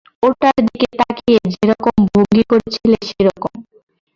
ওটার দিকে তাকিয়ে যেরকম ভঙ্গি করেছিলে সেরকম।